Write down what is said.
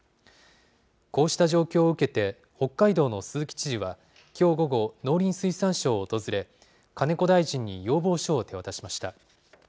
こうした状況を受けて、北海道の鈴木知事は、きょう午後、農林水産省を訪れ、金子大臣に要望書を手渡しました。